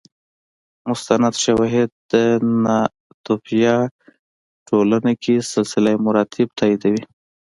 مستند شواهد د ناتوفیا ټولنه کې سلسله مراتب تاییدوي